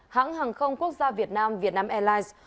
hãng hàng không quốc gia việt nam vietnam airlines